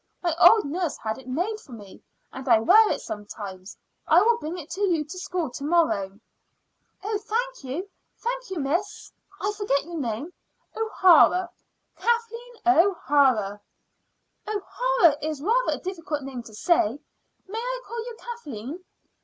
My old nurse had it made for me, and I wear it sometimes. I will bring it to you to school to morrow." "Oh, thank you thank you, Miss I forgot your name." "O'Hara Kathleen O'Hara." "O'Hara is rather a difficult name to say. May I call you Kathleen?"